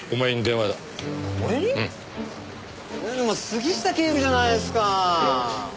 杉下警部じゃないですか！